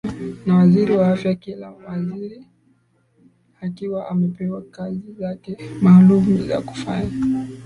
na waziri wa afya kila waziri akiwa amepewa kazi zake maalum za kufanya